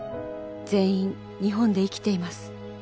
「全員日本で生きています」